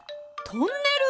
トンネル！